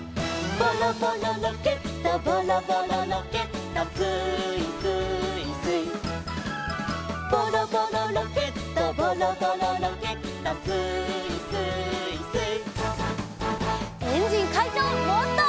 「ボロボロロケットボロボロロケット」「スーイスーイスイ」「ボロボロロケットボロボロロケット」「スーイスーイスイ」